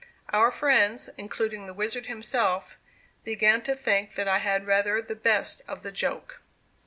Our friends, including the "Wizard" himself, began to think that I had rather the best of the joke.